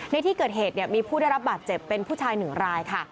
ในที่เกิดเหตุมีผู้ได้รับบาดเจ็บเป็นผู้ชายหนึ่งรายค่ะ